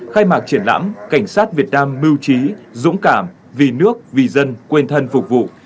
khai mạc triển lãm cảnh sát việt nam mưu trí dũng cảm vì nước vì dân quên thân phục vụ